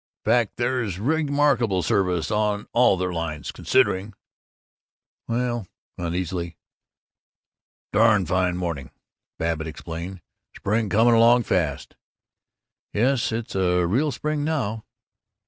Fact, there's remarkable service on all their lines considering." "Well " uneasily. "Darn fine morning," Babbitt explained. "Spring coming along fast." "Yes, it's real spring now."